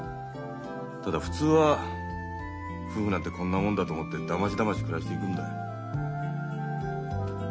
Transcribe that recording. ただ普通は夫婦なんてこんなもんだと思ってだましだまし暮らしていくんだよ。